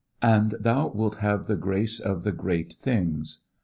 "And thou wilt have the grace of the great things."